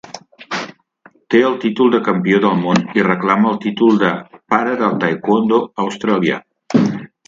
Té el títol de "Campió del Món" i reclama el títol de "Pare del Taekwondo australià".